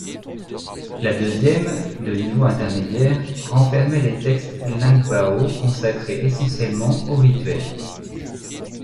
La deuxième, de niveau intermédiaire, renfermait les textes lingbao consacrés essentiellement aux rituels.